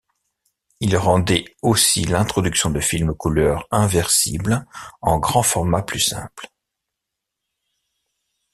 Il rendait aussi l'introduction de films couleurs inversibles en grand format plus simple.